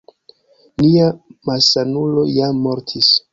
Nia malsanulo jam mortis